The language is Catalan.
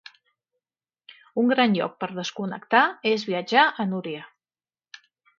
Un gran lloc per desconnectar és viatjar a Núria.